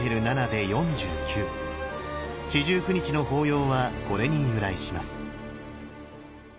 四十九日の法要はこれに由来します。